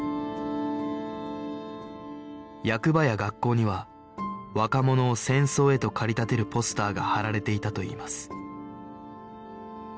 役場や学校には若者を戦争へと駆り立てるポスターが貼られていたといいます